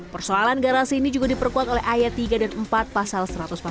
persoalan garasi ini juga diperkuat oleh ayat tiga dan empat pasal satu ratus empat puluh